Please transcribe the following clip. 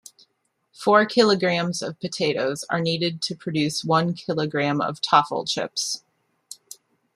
Four kilograms of potatoes are needed to produce one kilogram of Taffel chips.